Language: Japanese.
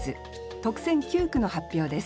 特選九句の発表です。